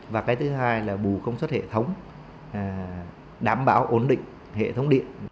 và cái thứ hai là bù công suất hệ thống đảm bảo ổn định hệ thống điện